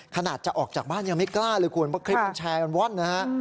ขนาดจะออกจากบ้านยังไม่กล้าเลยคุณเพราะคลิปมันแชร์กันว่อนนะฮะ